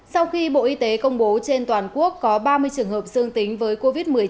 sau khi bộ y tế công bố trên toàn quốc có ba mươi trường hợp dương tính với covid một mươi chín